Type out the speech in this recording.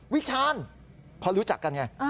วิชาญพอรู้จักกันไง